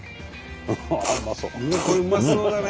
うわっこれうまそうだね。